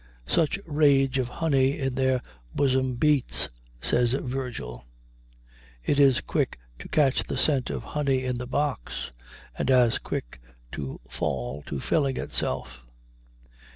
"Such rage of honey in their bosom beats," says Virgil. It is quick to catch the scent of honey in the box, and as quick to fall to filling itself.